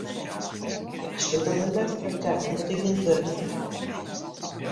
Ik beslút om him net te fertellen dat ik gjin wurk mear ha.